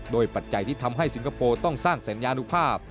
โดยปัจจัยที่ทำให้สิงคโปร์ต้องสร้างสัญญานุภาพ